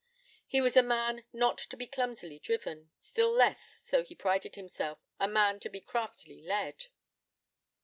He was a man not to be clumsily driven, still less, so he prided himself, a man to be craftily led.